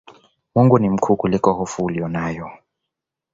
Mungu ni mkuu kuliko hofu uliyonayo